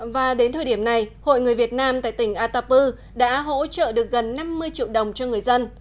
và đến thời điểm này hội người việt nam tại tỉnh atapu đã hỗ trợ được gần năm mươi triệu đồng cho người dân